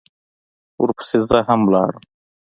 ورپسې زه هم لاړم.